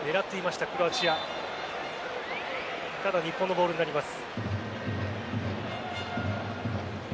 ただ、日本のボールになります。